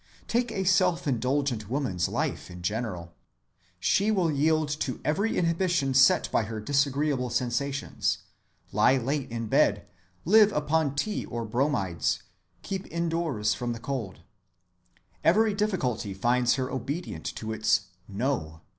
Take a self‐ indulgent woman's life in general. She will yield to every inhibition set by her disagreeable sensations, lie late in bed, live upon tea or bromides, keep indoors from the cold. Every difficulty finds her obedient to its "no."